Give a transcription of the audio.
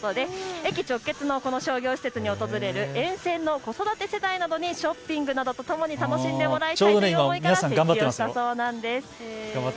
駅直結のこの商業施設に訪れる沿線の子育て世帯などにショッピングなどとともに楽しんでもらおうと設置したそうです。